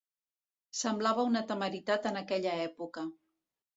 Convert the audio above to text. Semblava una temeritat en aquella època.